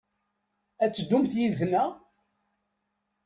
A teddumt yid-nteɣ?